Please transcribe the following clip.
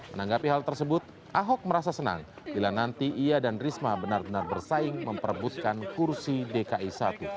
menanggapi hal tersebut ahok merasa senang bila nanti ia dan risma benar benar bersaing memperebutkan kursi dki satu